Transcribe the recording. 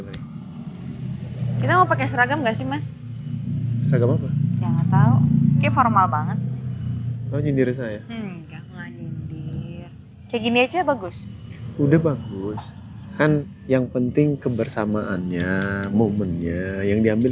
kita mau pakai seragam gak sih mas